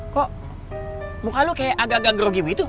kok muka lo kayak agak agak grogibu itu